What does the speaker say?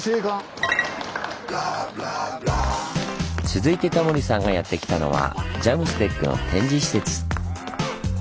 続いてタモリさんがやって来たのはＪＡＭＳＴＥＣの展示施設。